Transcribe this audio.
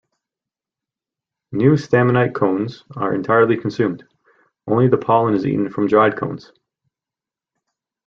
New staminate cones are entirely consumed; only the pollen is eaten from dried cones.